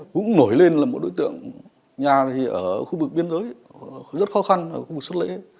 cũng nổi lên là một đối tượng nhà ở khu vực biên giới rất khó khăn ở khu vực xuất lễ